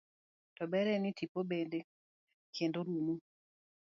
To ber en ni tipo betie kendo rumo